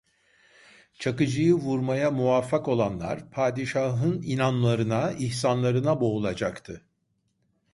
Çakıcı’yı vurmaya muvaffak olanlar, padişahın inamlarına, ihsanlarına boğulacaktı.